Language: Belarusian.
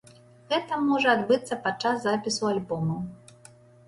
Гэта можа адбыцца падчас запісу альбома.